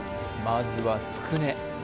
まずはつくね